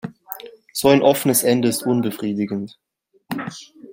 So ein offenes Ende ist unbefriedigend.